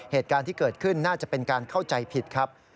เหตุการณ์ที่เกิดขึ้นน่าจะเป็นการเข้าใจผิดครับ